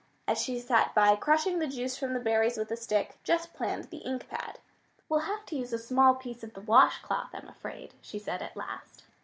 As she sat by, crushing the juice from the berries with a stick, Jess planned the ink pad. "We'll have to use a small piece of the wash cloth, I'm afraid," she said at last.